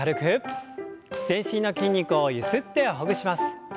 全身の筋肉をゆすってほぐします。